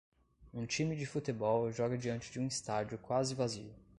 Um time de futebol joga diante de um estádio quase vazio.